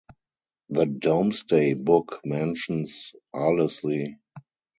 The Domesday Book mentions Arlesey.